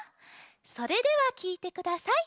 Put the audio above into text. それではきいてください。